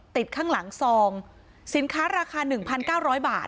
ติดข้างหลังซองสินค้าราคาหนึ่งพันเก้าร้อยบาท